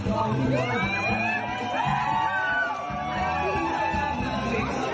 สวัสดีครับทุกคน